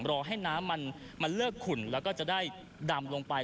รอให้น้ำมันเลิกขุ่นแล้วก็จะได้ดำลงไป